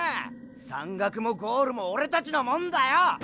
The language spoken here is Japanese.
山岳もゴールもオレたちのモンだよ！